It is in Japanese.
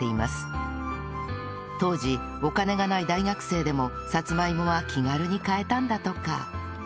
当時お金がない大学生でもさつまいもは気軽に買えたんだとか